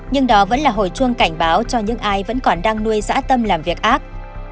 nhưng đó vẫn là hồi chuông cảnh báo cho những ai vẫn còn đang nuôi dã tâm làm việc ác